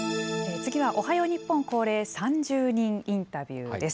次はおはよう日本恒例、３０人インタビューです。